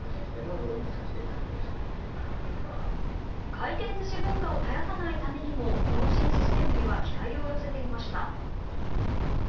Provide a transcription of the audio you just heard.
回転寿司文化を絶やさないためにもこの新システムには期待を寄せていました。